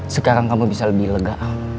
sekarang kamu bisa lebih lega